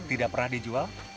tidak pernah dijual